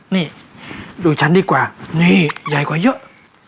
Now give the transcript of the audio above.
นี่ดูฉันดีกว่านี่ใหญ่กว่าเยอะ